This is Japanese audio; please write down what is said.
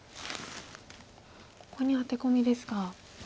ここにアテコミですか。